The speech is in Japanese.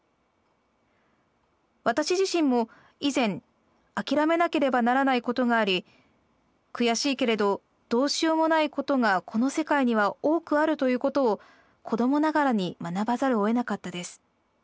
私自身も以前諦めなければならないことがあり悔しいけれどどうしようもないことがこの世界には多くあるという事を子供ながらに学ばざるを得なかったです。